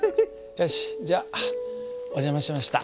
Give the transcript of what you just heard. よしじゃお邪魔しました。